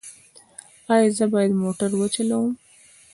ایا زه باید موټر وچلوم؟